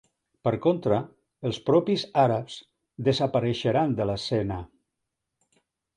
Per contra, els propis àrabs desapareixeran de l'escena.